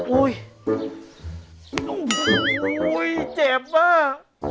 โอ้ยโอ้ยเจ็บเว่ย